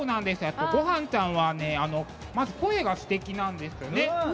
ごはんちゃんは声がすてきなんですよね。